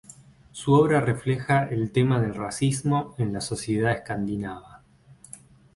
Su obra refleja el tema del racismo en la sociedad escandinava.